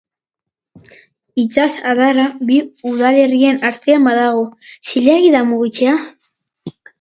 Itsasadarra bi udalerrien artean badago, zilegi da mugitzea?